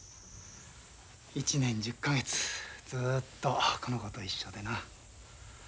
１年１０か月ずっとこの子と一緒でな。